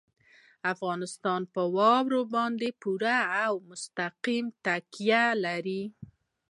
افغانستان په واوره باندې پوره او مستقیمه تکیه لري.